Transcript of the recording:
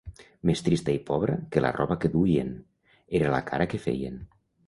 Més trista i pobra que la roba que duien, era la cara que feien.